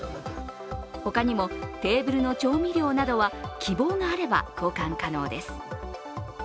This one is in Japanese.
他にも、テーブルの調味料などは希望があれば交換可能です。